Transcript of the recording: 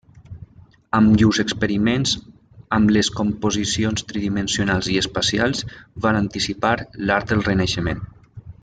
Amb llurs experiments amb les composicions tridimensionals i espacials van anticipar l'art del Renaixement.